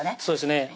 そうですね